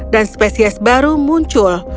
dan spesies baru muncul